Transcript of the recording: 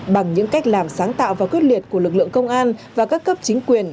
bằng những cách làm sáng tạo và quyết liệt của lực lượng công an và các cấp chính quyền